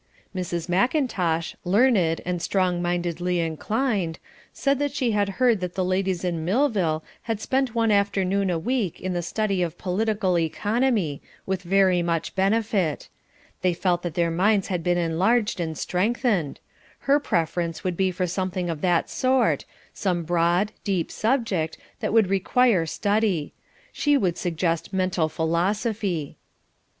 Miss McIntosh, learned, and strong mindedly inclined, said that she had heard that the ladies in Millville had spent one afternoon a week in the study of Political Economy, with very much benefit; they felt that their minds had been enlarged and strengthened; her preference would be for something of that sort, some broad, deep subject, that would require study; she would suggest Mental Philosophy.